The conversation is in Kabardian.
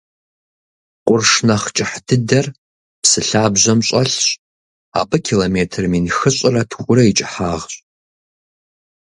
Къурш нэхь кӏыхь дыдэр псы лъабжьэм щӏэлъщ, абы километр мин хыщӏрэ тхурэ и кӏыхьагъщ.